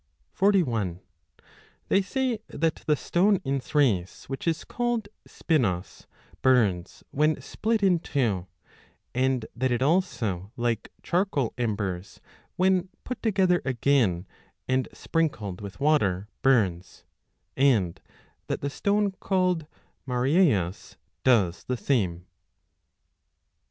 41 They say that the stone in Thrace which is called 25 spinos burns when split in two, and that it also, like charcoal embers, when put together again, and sprinkled with water, burns ; and that the stone called marieus 1 does the same.